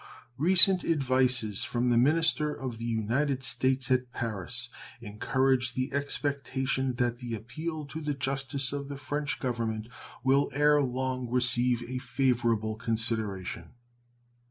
Recent advices from the minister of the United States at Paris encourage the expectation that the appeal to the justice of the French Government will ere long receive a favorable consideration.